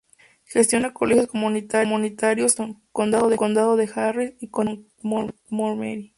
Gestiona colegios comunitarios en Houston, Condado de Harris, y Condado de Montgomery.